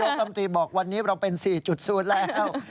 ๔๐นายโยคคำสรีบอกวันนี้เราเป็น๔๐แล้ว